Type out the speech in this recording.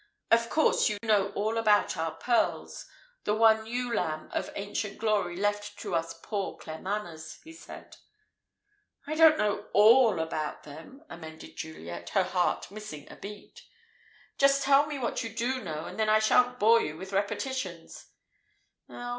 "Of course, you know all about our pearls, the one ewe lamb of ancient glory left to us poor Claremanaghs," he said. "I don't know all about them," amended Juliet, her heart missing a beat. "Tell me just what you do know, and then I shan't bore you with repetitions."